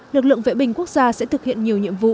lực lượng vệ binh quốc gia sẽ thực hiện nhiều nhiệm vụ